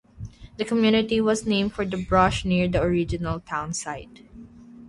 The community was named for the brush near the original town site.